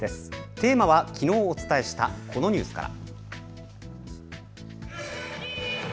テーマはきのうお伝えしたこのニュースから。